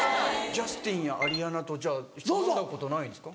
ジャスティンやアリアナとじゃあ飲んだことないんですか？